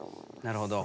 なるほど。